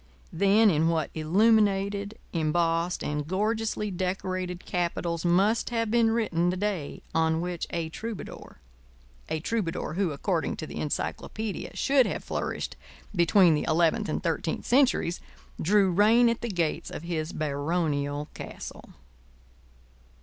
Then in what illuminated, embossed, and gorgeously decorated capitals must have been written the day on which a troubadour—a troubadour who, according to the encyclopædia, should have flourished between the eleventh and the thirteenth centuries—drew rein at the gates of his baronial castle!